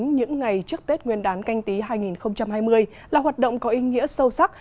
những ngày trước tết nguyên đán canh tí hai nghìn hai mươi là hoạt động có ý nghĩa sâu sắc